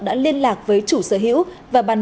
đã liên lạc với chủ sở hữu và bắn